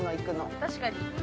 ◆確かに。